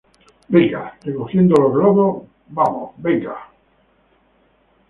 venga, recogiendo los globos. ¡ vamos, venga!